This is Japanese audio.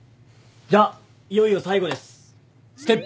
じゃあいよいよ最後です。